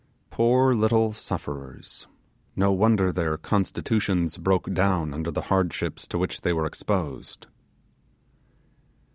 Poor little sufferers! no wonder their constitutions broke down under the hardships to which they were exposed.